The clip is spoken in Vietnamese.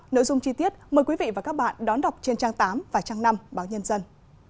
nội dung chi tiết mời quý vị và các bạn đón đọc trên trang tám và trang năm báo nhân dân